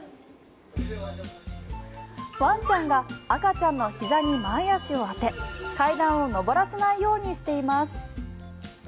ワンちゃんが赤ちゃんのひざに前足を当て階段を上らせないようにしています。